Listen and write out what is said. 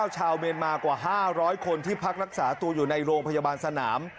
ชาวเมียนมากว่า๕๐๐คนที่พักรักษาตัวอยู่ในโรงพยาบาลสนาม